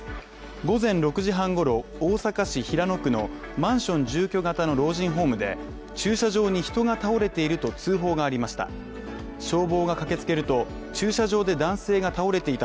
午前６時半ごろ、大阪市平野区のマンション住居型の老人ホームで、駐車場に人が倒れていると通報がありました